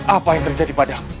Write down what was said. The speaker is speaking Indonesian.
apa yang terjadi pada